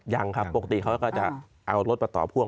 ยังครับปกติเขาก็จะเอารถมาต่อพวก